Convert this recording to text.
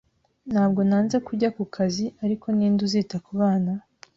Ntabwo nanze ko ujya ku kazi, ariko ni nde uzita ku bana?